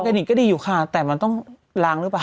นิกก็ดีอยู่ค่ะแต่มันต้องล้างหรือเปล่า